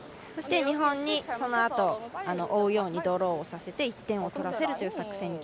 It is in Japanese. そして日本にそのあと追うようにドローをさせて１点を取らせるという作戦。